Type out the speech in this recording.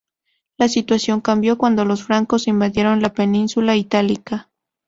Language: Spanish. La situación cambió cuando los francos invadieron la península itálica.